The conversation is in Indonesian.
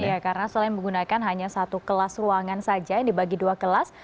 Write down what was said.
ya karena selain menggunakan hanya satu kelas ruangan saja yang dibagi dua kelas